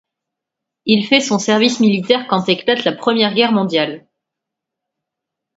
Il fait son service militaire quand éclate la Première Guerre mondiale.